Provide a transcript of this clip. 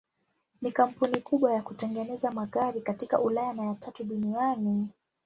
Ni kampuni kubwa ya kutengeneza magari katika Ulaya na ya tatu duniani.